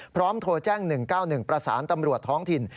โทรแจ้ง๑๙๑ประสานตำรวจท้องถิ่น